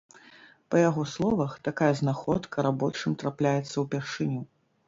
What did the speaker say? Па яго словах, такая знаходка рабочым трапляецца ўпершыню.